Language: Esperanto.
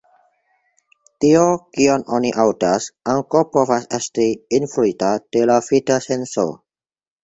Tio, kion oni aŭdas ankaŭ povas esti influita de la vida senso.